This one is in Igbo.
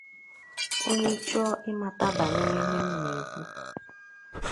Onye chọọ ịmata banyere ihe m na-ekwu